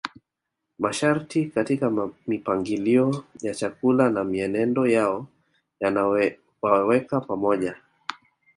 Masharti katika mipangilio ya chakula na mienendo yao yanawaweka pamoja